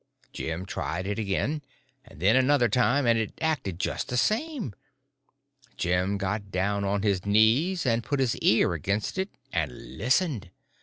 Jim tried it again, and then another time, and it acted just the same. Jim got down on his knees, and put his ear against it and listened.